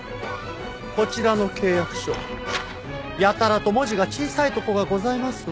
こちらの契約書やたらと文字が小さいとこがございますので。